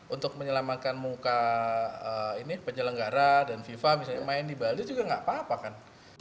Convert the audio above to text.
untuk menyelamatkan muka ini penyelenggara dan fifa misalnya main di bali juga nggak apa apa kan